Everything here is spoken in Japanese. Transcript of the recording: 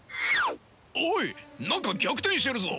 おい何か逆転してるぞ！